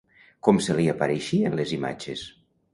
Com se li apareixien les imatges?